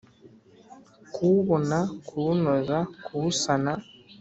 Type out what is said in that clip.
kuwubona kuwunoza kuwusana